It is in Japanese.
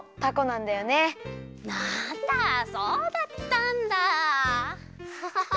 なんだそうだったんだ。